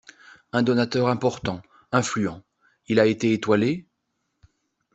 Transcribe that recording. Un donateur important, influent. Il a été étoilé?